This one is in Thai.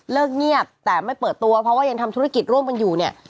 เงียบแต่ไม่เปิดตัวเพราะว่ายังทำธุรกิจร่วมกันอยู่เนี่ย